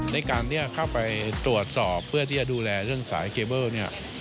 ในการที่เข้าไปตรวจสอบเพื่อที่จะดูแลเรื่องสายเคเบิลเนี่ย